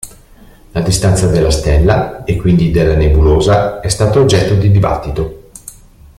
La distanza della stella, e quindi della nebulosa, è stata oggetto di dibattito.